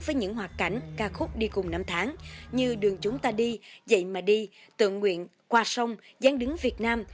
với những hoạt cảnh ca khúc đi cùng năm tháng như đường chúng ta đi dậy mà đi tự nguyện qua sông gián đứng việt nam